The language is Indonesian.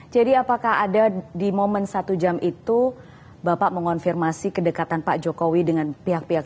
jadi apakah ada di momen satu jam itu bapak mengonfirmasi kedekatan pak jokowi dengan pihak pihak